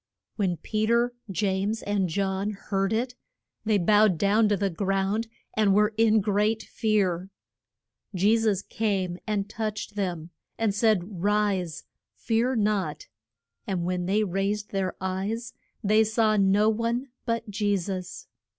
When Pe ter, James, and John heard it, they bowed down to the ground, and were in great fear. Je sus came and touched them, and said, Rise. Fear not. And when they raised their eyes they saw no one but Je sus.